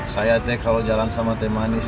saya teh kalo jalan sama teman ini